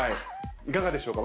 いかがでしょうか？